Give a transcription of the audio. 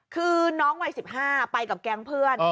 คือน้องวัย๑๕ไปกับแก๊งเพื่อน